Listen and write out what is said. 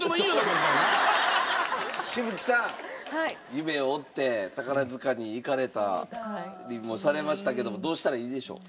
夢を追って宝塚に行かれたりもされましたけどもどうしたらいいでしょう？